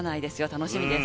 楽しみです。